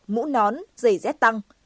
mũ nón giày dép tăng